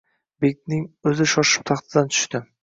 Bekning o’zi shoshib taxtidan tushdi